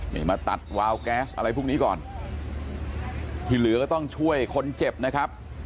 นี่มาตัดวาวแก๊สอะไรพวกนี้ก่อนที่เหลือก็ต้องช่วยคนเจ็บนะครับ